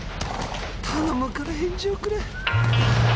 頼むから返事をくれ。